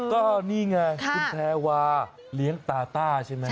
ก็นี่ไงคุณแพรวาเลี้ยงตาต้าใช่ไหม